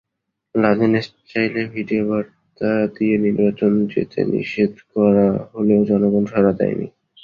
Laden স্টাইলে ভিডিওবার্তা দিয়ে নির্বাচন যেতে নিষেধ করা হলেও জনগণ সাড়া দেয়নি।